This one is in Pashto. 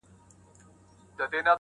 د مرګي هسي نوم بدنام دی٫